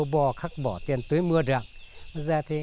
bò khắc bỏ tiền tới mưa rạng